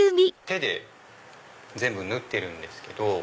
手で全部縫ってるんですけど。